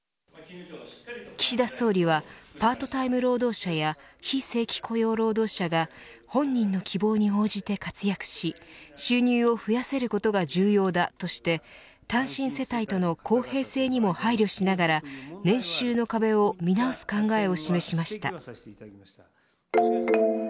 岸田総理はパートタイム労働者や非正規雇用労働者が本人の希望に応じて活躍し、収入を増やせることが重要だ、として単身世帯との公平性にも配慮しながら年収の壁を見直す考えを示しました。